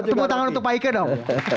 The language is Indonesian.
tepuk tangan untuk pak ika dong